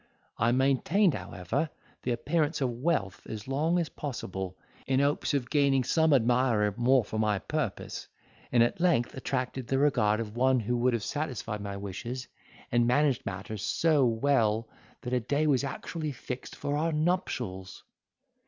I maintained, however, the appearance of wealth as long as possible, in hopes of gaining some admirer more for my purpose, and at length attracted the regard of one who would have satisfied my wishes, and managed matters so well, that a day was actually fixed for our nuptials.